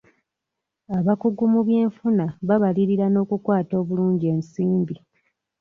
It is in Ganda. Abakugu mu byenfuna babalirira n'okukwata obulungi ensimbi.